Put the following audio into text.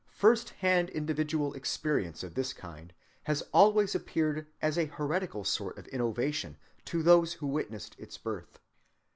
First‐hand individual experience of this kind has always appeared as a heretical sort of innovation to those who witnessed its birth.